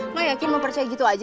gue yakin mempercaya gitu aja